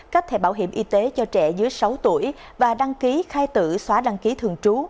cách thể bảo hiểm y tế cho trẻ dưới sáu tuổi và đăng ký khai tử xóa đăng ký thường trú